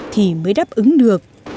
thì mới đáp ứng được